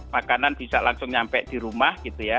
makanan bisa langsung nyampe di rumah gitu ya